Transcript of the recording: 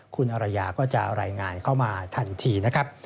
คุณอรยาก็จะรายงานเข้ามาทันทีนะครับ